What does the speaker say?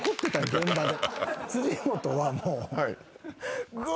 現場で。